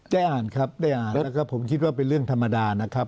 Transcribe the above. ได้อ่านครับได้อ่านแล้วก็ผมคิดว่าเป็นเรื่องธรรมดานะครับ